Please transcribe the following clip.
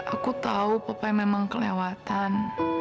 aku tau papa yang memang kelewatan